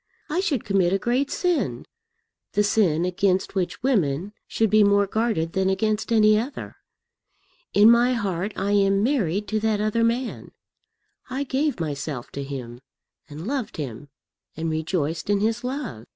I should commit a great sin, the sin against which women should be more guarded than against any other. In my heart I am married to that other man. I gave myself to him, and loved him, and rejoiced in his love.